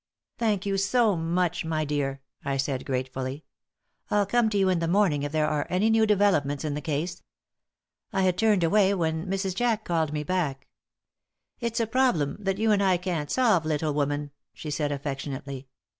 "Thank you so much, my dear," I said, gratefully. "I'll come to you in the morning if there are any new developments in the case." I had turned away when Mrs. Jack called me back. "It's a problem that you and I can't solve, little woman," she said, affectionately.